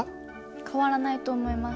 変わらないと思います。